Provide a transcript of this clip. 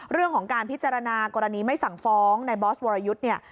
เรื่องของการพิจารณากรณีไม่สั่งฟ้องในบอสวรยุทธ์เนี่ย